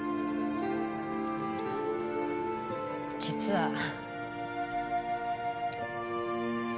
実は。